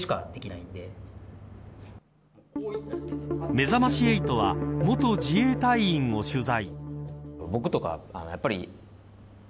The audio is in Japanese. めざまし８は元自衛隊員を取材。